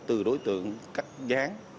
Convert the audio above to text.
từ đối tượng cắt dán